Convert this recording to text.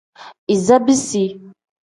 Iza bisi.